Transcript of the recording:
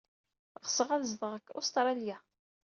Ɣseɣ ad zedɣeɣ deg Ustṛalya.